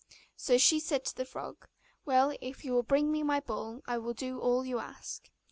So she said to the frog, 'Well, if you will bring me my ball, I will do all you ask.